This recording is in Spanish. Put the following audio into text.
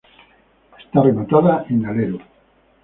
Está rematada en alero.